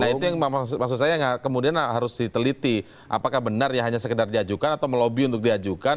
nah itu yang maksud saya kemudian harus diteliti apakah benar ya hanya sekedar diajukan atau melobi untuk diajukan